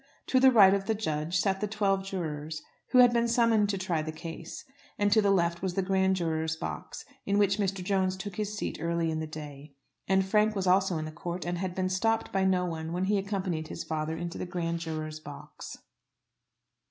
To the right of the judge sat the twelve jurors who had been summoned to try the case, and to the left was the grand jurors' box, in which Mr. Jones took his seat early in the day. And Frank was also in the court, and had been stopped by no one when he accompanied his father into the grand jurors' box.